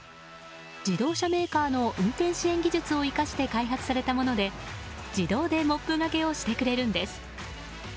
自動車メーカーの運転支援技術を生かして開発されたもので、自動でモップがけをしてくれるんです。